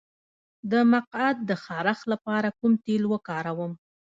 د مقعد د خارش لپاره کوم تېل وکاروم؟